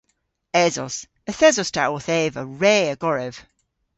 Esos. Yth esos ta owth eva re a gorev.